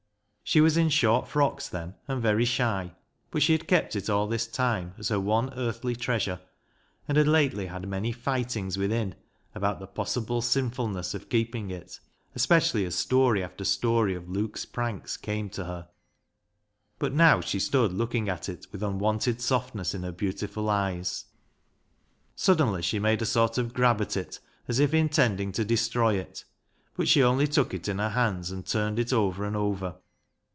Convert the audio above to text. She was in short frocks then, and very shy, but she had kept it all this time as her one earthly treasure, and had lately had many " fightings within " about the possible sinfulness of keeping it, especially as story after story of Luke's pranks came to her. But now she stood looking at it with unwonted softness in her beautiful eyes. Suddenly she made a sort of grab at it as if intending to destroy it, but she only took it in her hands and turned it over and over.